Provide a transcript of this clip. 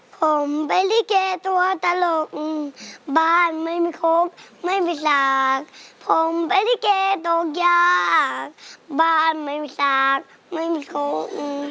ผมเป็นลิเกตัวตลกบ้านไม่มีครบไม่มีสากผมเป็นลิเกตกยาบ้านไม่มีสากไม่มีคุก